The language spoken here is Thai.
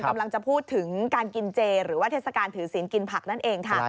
กำลังจะพูดถึงการกินเจหรือว่าเทศกาลถือศีลกินผักนั่นเองค่ะ